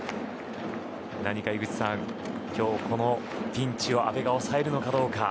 何か井口さん、今日このピンチを阿部が抑えるのかどうか。